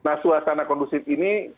kondusif ini saya berharap akan bisa berhasil